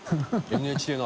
ＮＨＫ鍋。